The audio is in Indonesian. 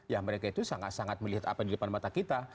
ya mereka itu sangat sangat melihat apa di depan mata kita